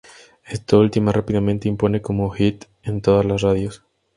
Esta última rápidamente impone como hit en todas las radios.